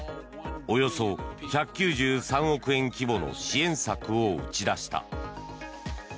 およそ１９３億円規模の支援策を打ち出した。